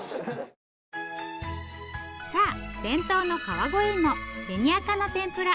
さあ伝統の川越いも紅赤の天ぷら。